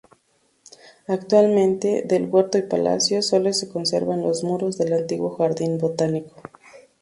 Actualmente, del huerto y palacio sólo se conservan los muros del antiguo Jardín botánico.